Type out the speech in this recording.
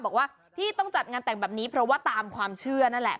บอกว่าที่ต้องจัดงานแต่งแบบนี้เพราะว่าตามความเชื่อนั่นแหละ